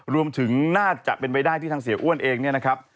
รวมถึงน่าจะเป็นใบด้ายที่ทางเสียอ้วนเองนะครับ